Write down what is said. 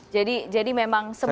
jadi jadi memang semua